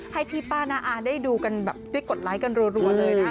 ให้พี่ป้าน้าอาได้ดูกันแบบได้กดไลค์กันรัวเลยนะ